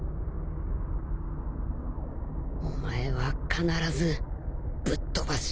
お前は必ずぶっ飛ばす。